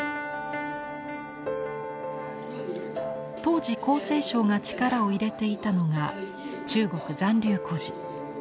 当時厚生省が力を入れていたのが中国残留孤児。